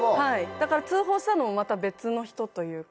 だから通報したのもまた別の人というか。